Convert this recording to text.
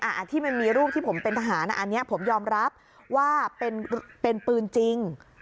อ่ะที่มันมีรูปที่ผมเป็นทหารอันนี้ผมยอมรับว่าเป็นเป็นปืนจริง